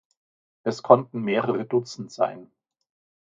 Es konnten mehrere Dutzend sein.